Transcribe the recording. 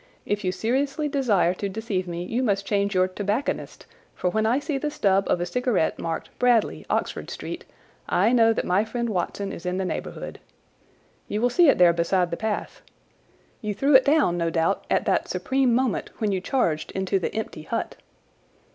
If you seriously desire to deceive me you must change your tobacconist; for when I see the stub of a cigarette marked Bradley, Oxford Street, I know that my friend Watson is in the neighbourhood. You will see it there beside the path. You threw it down, no doubt, at that supreme moment when you charged into the empty hut."